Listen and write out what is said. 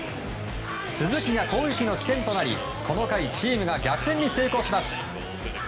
鈴木が攻撃の起点となり、この回チームが逆転に成功します。